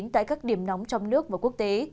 tại các điểm nóng trong nước và quốc tế